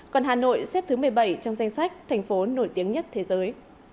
còn hà nội xếp thứ một mươi bảy trong danh sách thành phố nổi tiếng nhất thế giới